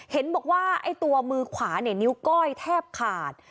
เห็นบอกว่าตัวมือขวานิ้วก้อยแทบขาด